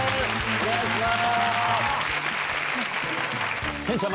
お願いします。